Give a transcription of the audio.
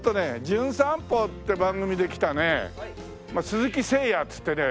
『じゅん散歩』って番組で来たね鈴木誠也っつってね